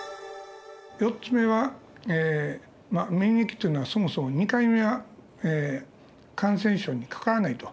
４つ目は免疫っていうのはそもそも２回目は感染症にかからないと。